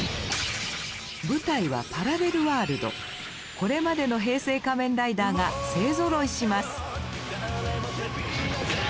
これまでの平成仮面ライダーが勢ぞろいします。